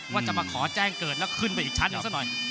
ว่าจะมาขอแจ้งเกิดแล้วขึ้นไปอีกชั้นหนึ่งซะหน่อย